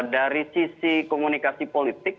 dari sisi komunikasi politik